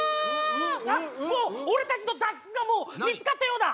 ああもう俺たちの脱出がもう見つかったようだ。